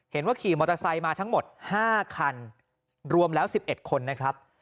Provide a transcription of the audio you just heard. เห็นว่าขี่มอเตอร์ไซค์มาทั้งหมด๕คันรวมแล้ว๑๑คนนะครับ